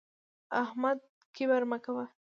احمده کبر مه کوه؛ د کبر کاسه نسکوره ده